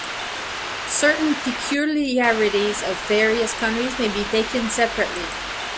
Certain peculiarities of various countries may be taken separately.